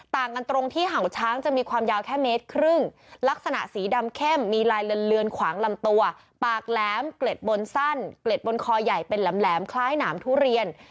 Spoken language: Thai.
ต่างกันตรงที่เห่าช้างจะมีความยาวแค่เมตรครึ่งลักษณะสีดำเข้มมีลายเลือนขวางลำตัวปากแหลมเกล็ดบนสั้นเกล็ดบนคอใหญ่เป็นแหลมคล้ายหนามทุเรียน